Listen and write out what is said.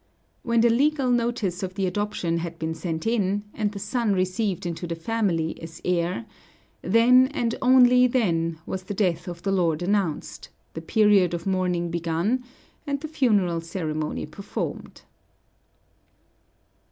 When the legal notice of the adoption had been sent in, and the son received into the family as heir, then, and only then, was the death of the lord announced, the period of mourning begun, and the funeral ceremony performed.